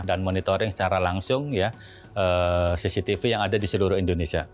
dan monitoring secara langsung cctv yang lagi di seluruh indonesia